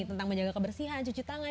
tentang menjaga kebersihan cuci tangan